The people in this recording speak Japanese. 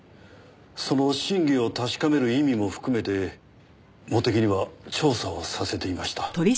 その真偽を確かめる意味も含めて茂手木には調査をさせていました。